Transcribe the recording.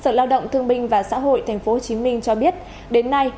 sở lao động thương binh và xã hội tp hcm cho biết đến nay